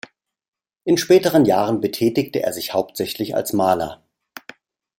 In späteren Jahren betätigte er sich hauptsächlich als Maler.